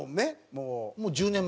もう１０年前です